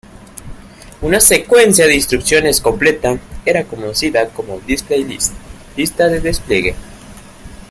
Una secuencia de instrucciones completa era conocida como "Display List" Lista de Despliegue.